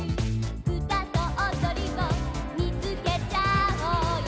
「うたとおどりを見つけちゃおうよ」